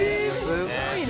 すごいね。